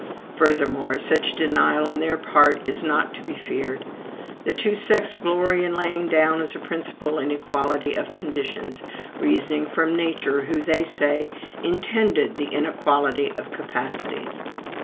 Furthermore, such a denial on their part is not to be feared. The two sects glory in laying down as a principle inequality of conditions, reasoning from Nature, who, they say, intended the inequality of capacities.